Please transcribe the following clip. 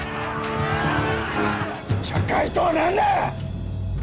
茶会とは何だ！